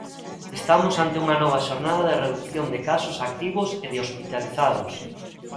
Estamos ante unha nova xornada de redución de casos activos e de hospitalizados.